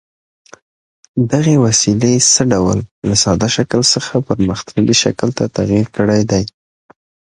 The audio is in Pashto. دغې وسیلې څه ډول له ساده شکل څخه پرمختللي شکل ته تغیر کړی دی؟